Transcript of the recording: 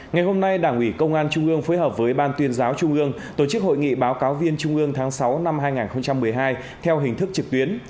ngày hôm nay đảng ủy công an trung ương phối hợp với ban tuyên giáo trung ương tổ chức hội nghị báo cáo viên trung ương tháng sáu năm hai nghìn một mươi hai theo hình thức trực tuyến